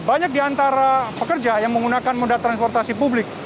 banyak di antara pekerja yang menggunakan moda transportasi publik